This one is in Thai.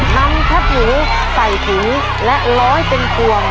น้ำแคปหมูไส่หมูและร้อยเป็นกวง